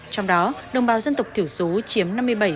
trong đó đồng bào dân tộc thiểu số chiếm năm mươi bảy một mươi bảy